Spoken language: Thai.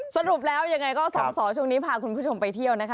สรุปแล้วยังไงก็สองสอช่วงนี้พาคุณผู้ชมไปเที่ยวนะคะ